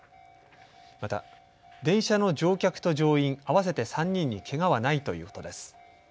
また、電車の乗客と乗員合わせて３人にけがはないということです。